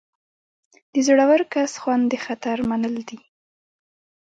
د زړور کس خوند د خطر منل دي.